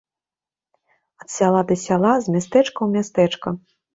Ад сяла да сяла, з мястэчка ў мястэчка.